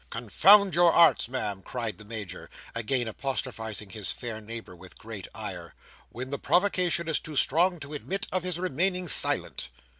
—confound your arts, Ma'am," cried the Major, again apostrophising his fair neighbour, with great ire,—"when the provocation is too strong to admit of his remaining silent."